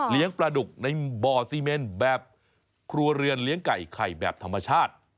ปลาดุกในบ่อซีเมนแบบครัวเรือนเลี้ยงไก่ไข่แบบธรรมชาติ